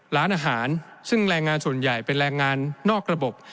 ร้านอาหารซึ่งแรงงานส่วนใหญ่เป็นแรงงานนอกระบบ